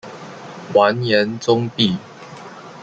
完颜宗弼。